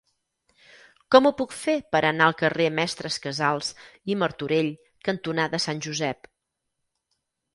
Com ho puc fer per anar al carrer Mestres Casals i Martorell cantonada Sant Josep?